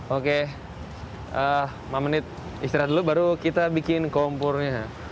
oke lima menit istirahat dulu baru kita bikin kompornya